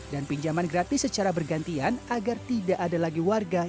dan pinjaman gratis secara bergantian agar tidak ada lagi warga